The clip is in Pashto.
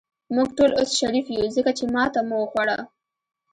موږ ټول اوس شریف یو، ځکه چې ماته مو وخوړه.